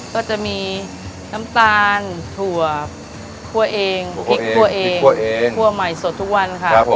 ก็จะมีน้ำตาลถั่วคั่วเองพริกคั่วเองคั่วใหม่สดทุกวันค่ะ